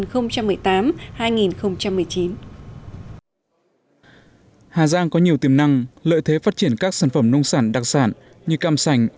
hà giang có nhiều tiềm năng lợi thế phát triển các sản phẩm nông sản đặc sản như cam sành